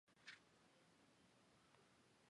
滇缅短尾鼩被发现在中国和缅甸。